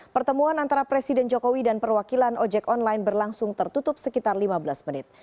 pertemuan antara presiden jokowi dan perwakilan ojek online berlangsung tertutup sekitar lima belas menit